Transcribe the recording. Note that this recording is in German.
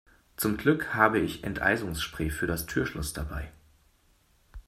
Zum Glück habe ich Enteisungsspray für das Türschloss dabei.